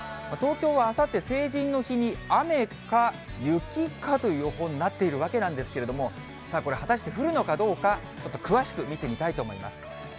東京はあさって成人の日に、雨か雪かという予報になっているわけなんですけれども、さあ、これ果たして降るのかどうか、ちょっと詳しく見てみたいと思います。